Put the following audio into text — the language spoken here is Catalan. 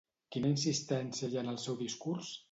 Quina insistència hi ha en el seu discurs?